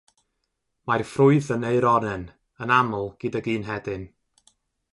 Mae'r ffrwyth yn aeronen, yn aml gydag un hedyn.